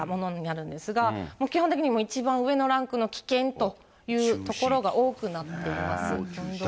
考慮したものになるんですが、基本的に一番上のランクの危険という所が多くなっています。